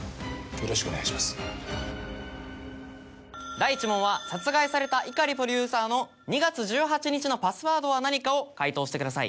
第１問は殺害された碇プロデューサーの２月１８日のパスワードは何かを解答してください。